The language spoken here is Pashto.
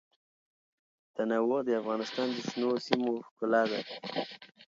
تنوع د افغانستان د شنو سیمو ښکلا ده.